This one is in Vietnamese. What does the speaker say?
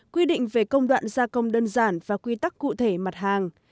quy định về công đoạn gia công đơn giản và quy tắc cụ thể mặt hàng